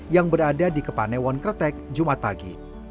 yang berada di kepanewon kretek jumat pagi